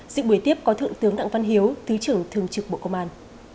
dự buổi tiếp có thượng tướng đặng văn hiếu thứ trưởng thường trực bộ công an